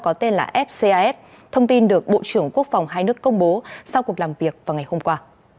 có tên là fcas thông tin được bộ trưởng quốc phòng hai nước công bố sau cuộc làm việc vào ngày hôm qua